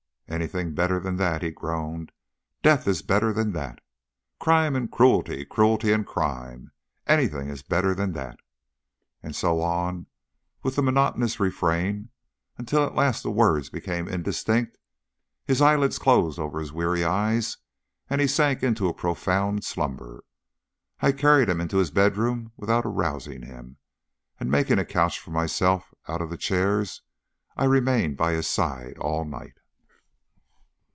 "Anything better than that," he groaned. "Death is better than that. Crime and cruelty; cruelty and crime. Anything is better than that," and so on, with the monotonous refrain, until at last the words became indistinct, his eyelids closed over his weary eyes, and he sank into a profound slumber. I carried him into his bedroom without arousing him; and making a couch for myself out of the chairs, I remained by his side all night.